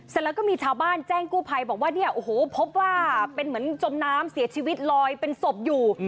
เสร็จแล้วก็มีชาวบ้านแจ้งกู้ภัยบอกว่าเนี่ยโอ้โหพบว่าเป็นเหมือนจมน้ำเสียชีวิตลอยเป็นศพอยู่